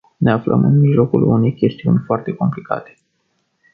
Ne aflăm în mijlocul unei chestiuni foarte complicate.